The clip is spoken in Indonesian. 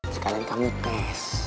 sekalian kamu tes